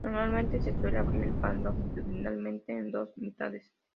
Normalmente se suele abrir el pan longitudinalmente en dos mitades.